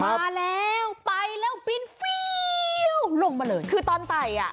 เห้ยมาแล้วไปแล้วลงมาเลยคือตอนใส่อ่ะ